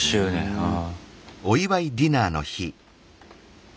ああ。